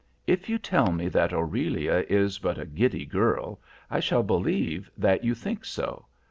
If you tell me that Aurelia is but a giddy girl, I shall believe that you think so.